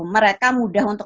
mereka mudah untuk